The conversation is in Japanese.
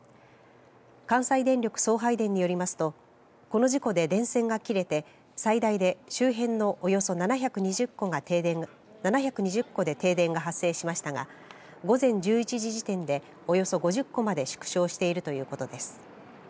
関西電力送配電によりますとこの事故で電線が切れて最大で周辺のおよそ７２０戸で停電が発生しましたが午前１１時時点で、およそ５０戸まで縮小しているということです。